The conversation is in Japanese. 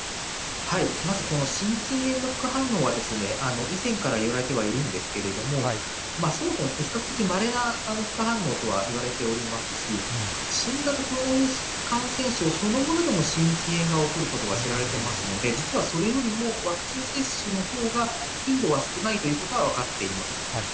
まずこの心筋炎の副反応は、以前からいわれてはいるんですけれども、そもそも比較的まれな副反応とはいわれておりますし、新型コロナウイルス感染症そのものでも心筋炎が起こることは知られていますので、実はそれよりもワクチン接種のほうが、頻度は少ないということは分かっています。